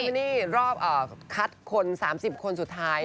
ชั้นรอบคัดคนสามสิบคนสุดท้าย